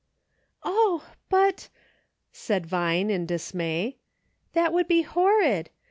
"Oh! but," said Vine, in dismay, "that would be horrid